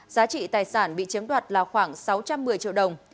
giá trị tài sản bị chiếm đoạt là khoảng sáu trăm một mươi triệu đồng